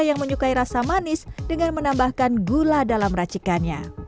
yang menyukai rasa manis dengan menambahkan gula dalam racikannya